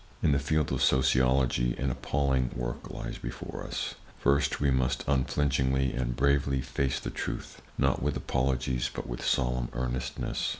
In the field of Sociology an appalling work lies before us. First, we must unflinchingly and bravely face the truth, not with apologies, but with solemn earnestness.